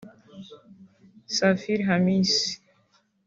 Safili Hamissi